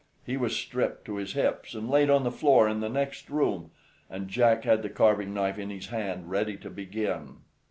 He was stripped to his hips, and laid on the floor in the next room, and Jack had the carving knife in his hand ready to begin.